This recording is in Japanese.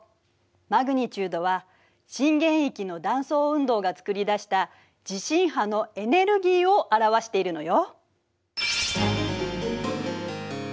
マグニチュードは震源域の断層運動が作り出した地震波のエネルギーを表しているのよ。